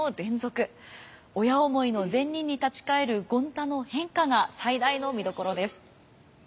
親思いの善人に立ち返る権太の変化が最大の見どころです。